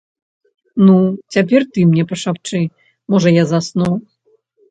Ну, цяпер ты мне пашапчы, можа, я засну.